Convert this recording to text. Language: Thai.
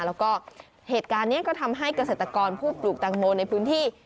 แล้วก็เหตุการณ์นี้ก็ทำให้เกษตรกรผู้ปลูกแตงโมในพื้นที่